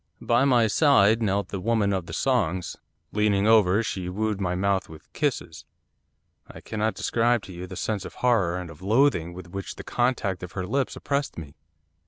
By my side knelt the Woman of the Songs. Leaning over, she wooed my mouth with kisses. I cannot describe to you the sense of horror and of loathing with which the contact of her lips oppressed me.